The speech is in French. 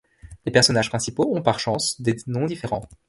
Les personnages principaux ont par chance des noms différents.